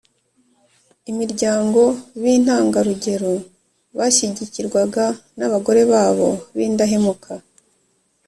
imiryango b intangarugero bashyigikirwaga n abagore babo b indahemuka